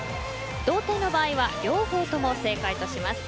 同点の場合は両方とも正解とします。